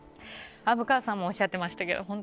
虻川さんもおっしゃってましたけど